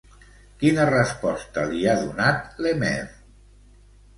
Quina resposta li ha donat Le Maire?